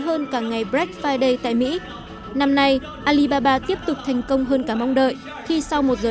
hơn cả ngày black friday tại mỹ năm nay alibaba tiếp tục thành công hơn cả mong đợi khi sau một giới